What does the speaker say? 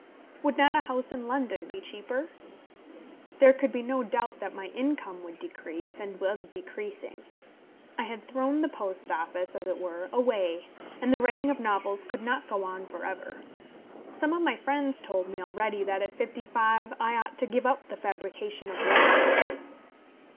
Would not a house in London be cheaper? There could be no doubt that my income would decrease, and was decreasing. I had thrown the Post Office, as it were, away, and the writing of novels could not go on for ever. Some of my friends told me already that at fifty five I ought to give up the fabrication of love stories.